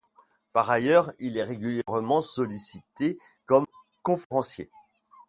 Par ailleurs il est régulièrement sollicité comme conférencier.